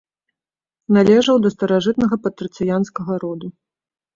Належаў да старажытнага патрыцыянскага роду.